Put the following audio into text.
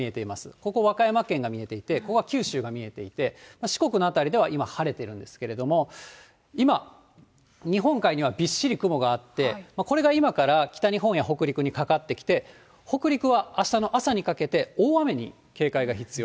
ここ、和歌山県が見えていて、ここが九州が見えていて、四国の辺りでは、今、晴れてるんですけれども、今、日本海にはびっしり雲があって、これが今から北日本や北陸にかかってきて、北陸はあしたの朝にかけて大雨に警戒が必要。